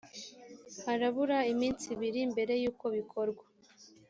harabura iminsi ibiri mbere y’ uko bikorwa.